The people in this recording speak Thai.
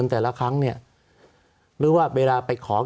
สวัสดีครับทุกคน